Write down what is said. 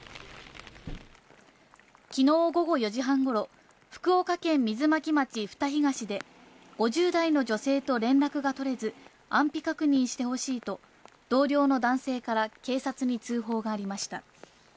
きのう午後４時半ごろ、福岡県水巻町二東で５０代の女性と連絡が取れず、安否確認してほしいと同僚の男性から警察に通報がありました。